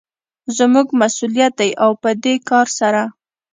زموږ مسوليت دى او په دې کار سره